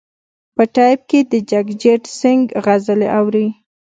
په ټیپ کې د جګجیت سنګ غزلې اوري.